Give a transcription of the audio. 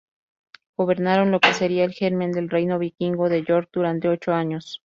Gobernaron lo que sería el germen del reino vikingo de York durante ocho años.